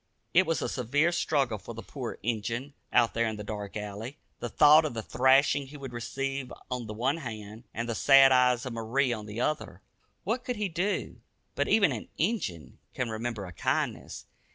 It was a severe struggle for the poor "Injun," out there in the dark alley. The thought of the thrashing he would receive on the one hand, and the sad eyes of Marie on the other. What could he do? But even an "Injun" can remember a kindness.